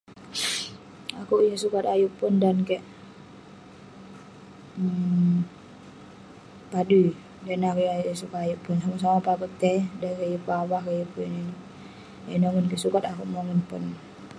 Akouk yeng sukat ayuk pon dan keik um dan kik padui, dan ineh akouk yeng sukat ayuk pon..somah somah peh akouk tai, dan kik yeng pun avah, yeng pun inouk inouk..yah nongen kik, sukat mongen pon